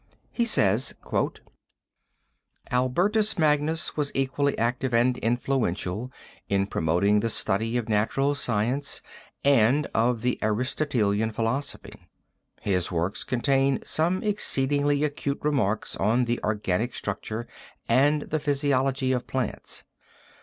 He says: "Albertus Magnus was equally active and influential in promoting the study of natural science and of the Aristotelian philosophy. His works contain some exceedingly acute remarks on the organic structure and physiology of plants.